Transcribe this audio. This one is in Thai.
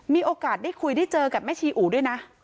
มีโอกาสได้คุยได้เจอกับแม่ชีอูด้วยนะ